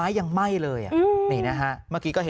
อารมณ์ไม่ดีเพราะว่าอะไรฮะ